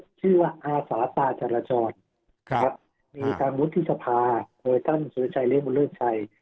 เขาใช้ชื่อว่าอาสาสาจรจรมีทางวุฒิสภาโดยท่านศูนย์ชัยเล่นบุญเรื่องชัย